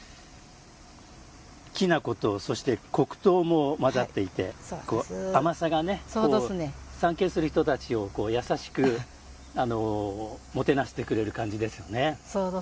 きな粉とそして黒糖も混ざっていて甘さが参詣する人たちを優しくもてなしてくれる感じですよね。